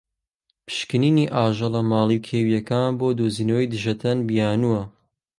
پشکنینی ئاژەڵە ماڵی و کێویەکان بۆ دۆزینەوەی دژەتەن بیانوە.